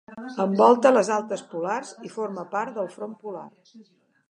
Envolta les altes polars i forma part del front polar.